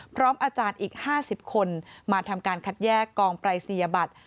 พร้อมอาจารย์อีก๕๐คนมาทำการคัดแยกกองปรายศนียบัตร